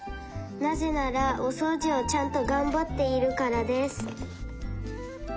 なぜならおそうじをちゃんとがんばっているからです」。